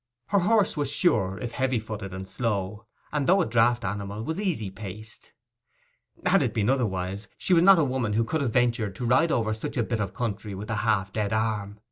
Her horse was sure, if heavy footed and slow, and though a draught animal, was easy paced; had it been otherwise, she was not a woman who could have ventured to ride over such a bit of country with a half dead arm.